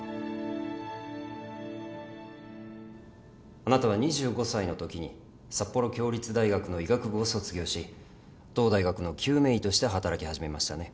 あなたは２５歳のときに札幌共立大学の医学部を卒業し同大学の救命医として働き始めましたね？